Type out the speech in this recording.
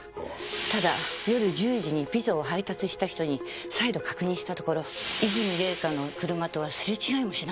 ただ夜１０時にピザを配達した人に再度確認したところ和泉礼香の車とはすれ違いもしなかったそうです。